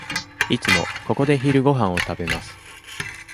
いつもここで昼ごはんを食べます。